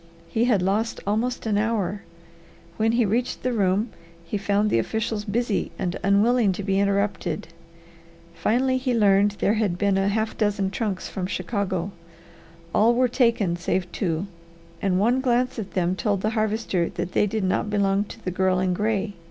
He had lost almost an hour. When he reached the room he found the officials busy and unwilling to be interrupted. Finally he learned there had been a half dozen trunks from Chicago. All were taken save two, and one glance at them told the Harvester that they did not belong to the girl in gray.